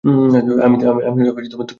আমি তোমাকে কিছু দেখাতে চায়।